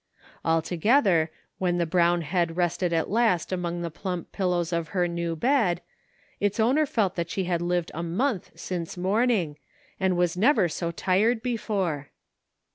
Altogether, when the brown head rested at last among the plump pillows of her new bed, its owner felt that she had lived a month since morning, and was never so tired before.